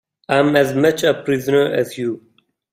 I'm as much a prisoner as you.